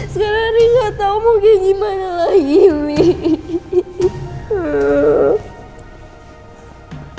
sekarang aris gak tau mau kayak gimana lagi mie